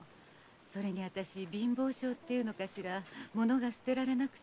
それに私貧乏性というのかしらものが捨てられなくて。